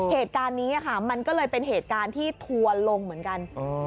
เหตุการณ์นี้ค่ะมันก็เลยเป็นเหตุการณ์ที่ทัวร์ลงเหมือนกัน